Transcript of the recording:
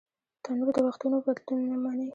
تنور د وختونو بدلون نهمني